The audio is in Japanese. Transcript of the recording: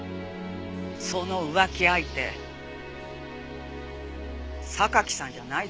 その浮気相手榊さんじゃないでしょ？